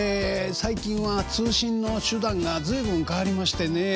最近は通信の手段が随分変わりましてね